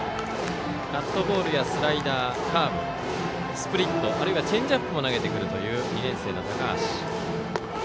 カットボールやスライダーカーブスプリット、チェンジアップも投げてくるという２年生の高橋。